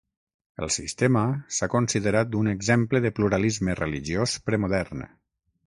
El sistema s'ha considerat un exemple de pluralisme religiós premodern.